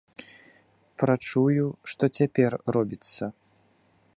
Прачую, што цяпер робіцца.